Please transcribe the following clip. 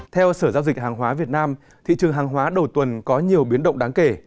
theo sở giao dịch hàng hóa việt nam thị trường hàng hóa đầu tuần có nhiều biến động đáng kể